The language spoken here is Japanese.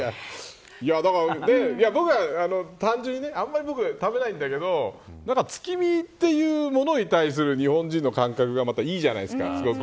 僕は単純にあんまり僕は食べないんだけど月見というものに対する日本人の感覚がまたいいじゃないですか。